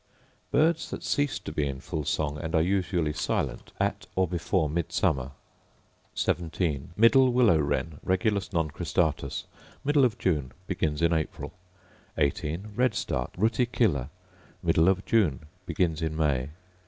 Birds that cease to be in full song, and are usually silent at or before Midsurnmer: 17. Middle willow wren, Regulus non cristatus: Middle of June: begins in April. 18. Red start, Ruticilla: Middle of June: begins in May.